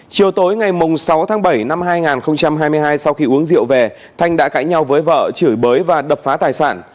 chiều tối ngày sáu tháng bảy năm hai nghìn hai mươi hai sau khi uống rượu về thanh đã cãi nhau với vợ chửi bới và đập phá tài sản